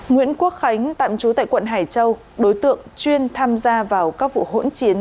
nguyễn quốc khánh tạm trú tại quận hải châu đối tượng chuyên tham gia vào các vụ hỗn chiến